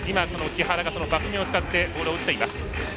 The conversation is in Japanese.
木原がバック目を使ってボールを打っています。